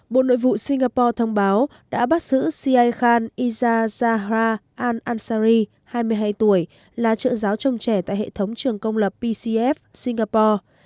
bộ nội vụ singapore thông báo đã bắt giữ siay khan iza zahra anansari hai mươi hai tuổi là trợ giáo trông trẻ tại hệ thống trường công lập pcf singapore